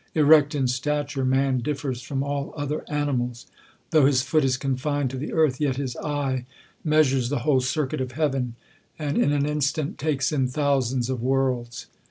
Erect in stature, man differs from all other animals. Though his foot is confined to the earth, yet his eye measures the whole circuit of heaven, and in an instam takes in thousands of worlds.